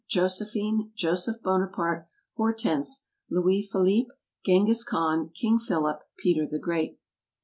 Josephine. Joseph Bonaparte. Hortense. Louis Philippe. Genghis Khan. King Philip. Peter the Great.